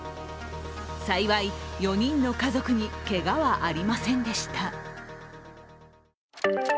幸い、４人の家族にけがはありませんでした。